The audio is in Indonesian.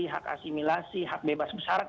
hak asimilasi hak bebas bersarat